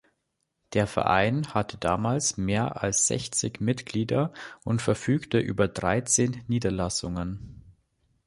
Der Verein hatte damals mehr als sechzig Mitglieder und verfügte über dreizehn Niederlassungen.